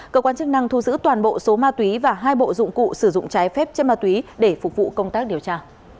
cơ quan chức năng thu giữ toàn bộ số ma túy và hai bộ dụng cụ sử dụng trái phép chất ma túy để phục vụ công tác điều tra